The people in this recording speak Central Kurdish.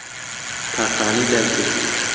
تاقانەی دایکیەتی